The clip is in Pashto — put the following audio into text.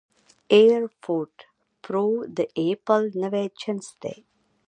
اېرفوډ پرو د اېپل نوی جنس دی